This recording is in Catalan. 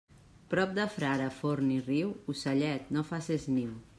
Prop de frare, forn ni riu, ocellet, no faces niu.